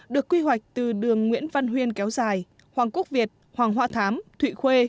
được quy hoạch từ đường nguyễn văn huyên kéo dài hoàng quốc việt hoàng hoa thám thụy khuê